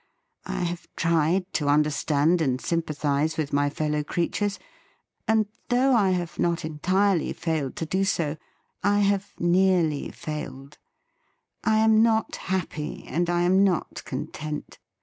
I have tried to understand and sympathise with my fellow creatures, and though I have not entirely failed to do so, I have nearly failed. I am not happy and I am not content.